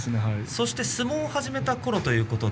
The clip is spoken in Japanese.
そして相撲を始めたころ